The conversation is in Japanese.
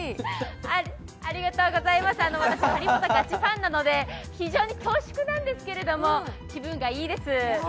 私、「ハリポタ」ガチファンなので非常に恐縮なんですけれども、気分がいいです。